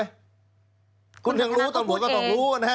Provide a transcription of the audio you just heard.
คุณสันทนะก็บอกว่าคุณยังรู้ตำรวจก็บอกว่ารู้